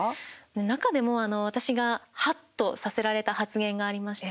中でも私が、はっとさせられた発言がありまして。